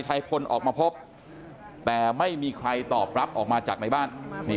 ชายพลออกมาพบแต่ไม่มีใครตอบรับออกมาจากในบ้านนี่